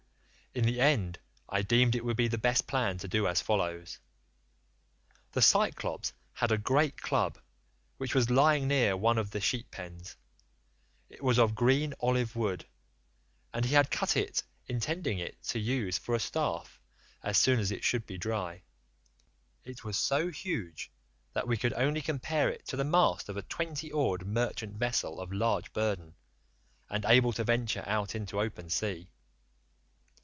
"In the end I deemed it would be the best plan to do as follows: The Cyclops had a great club which was lying near one of the sheep pens; it was of green olive wood, and he had cut it intending to use it for a staff as soon as it should be dry. It was so huge that we could only compare it to the mast of a twenty oared merchant vessel of large burden, and able to venture out into open sea.